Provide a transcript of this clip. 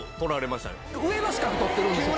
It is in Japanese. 上の資格取ってるんですよ。